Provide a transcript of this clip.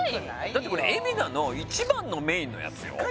だってこれ海老名の一番のメインのやつよ